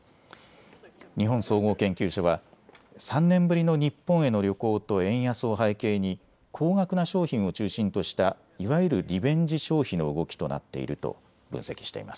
日本総合研究所は３年ぶりの日本への旅行と円安を背景に高額な商品を中心としたいわゆるリベンジ消費の動きとなっていると分析しています。